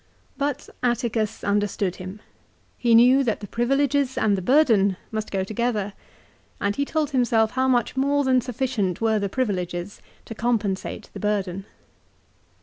But Atticus understood him. He knew that the privileges and the burden must go together, and told himself how much more than sufficient were the privileges to compensate the burden.